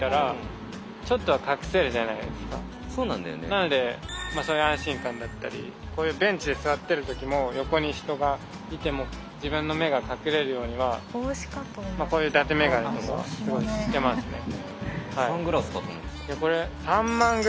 なのでそういう安心感だったりこういうベンチで座ってる時も横に人がいても自分の目が隠れるようにはこういうだてメガネとかすごいしてますね。